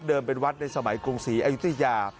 เป็นวัดในสมัยกรุงศรีอายุทยา